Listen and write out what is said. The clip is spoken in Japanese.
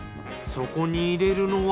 そこに入れるのは。